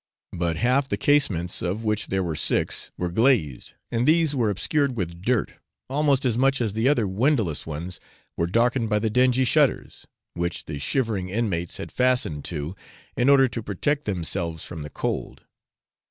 But half the casements, of which there were six, were glazed, and these were obscured with dirt, almost as much as the other windowless ones were darkened by the dingy shutters, which the shivering inmates had fastened to, in order to protect themselves from the cold.